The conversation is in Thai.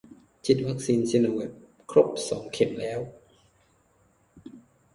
ฉีดวัคซีนซิโนแวคครบสองเข็มแล้ว